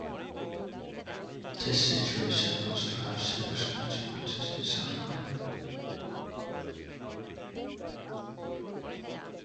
This situation was to have serious consequences in South Korea.